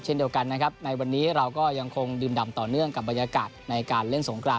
เช่นเดียวกันนะครับในวันนี้เราก็ยังคงดื่มดำต่อเนื่องกับบรรยากาศในการเล่นสงคราน